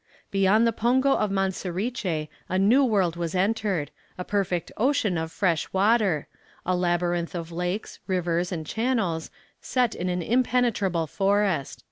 Beyond the pongo of Manseriche a new world was entered, a perfect ocean of fresh water a labyrinth of lakes, rivers, and channels, set in an impenetrable forest.